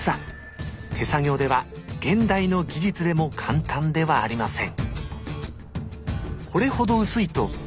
手作業では現代の技術でも簡単ではありません。